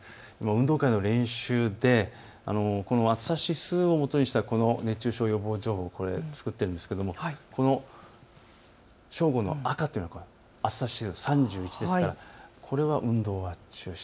運動会の練習でこの暑さ指数をもとにした熱中症予防情報を作っているんですがこの正午の赤というのは暑さ指数３１ですから運動は中止。